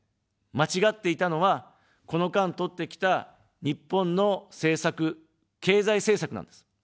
間違っていたのは、この間とってきた日本の政策、経済政策なんです。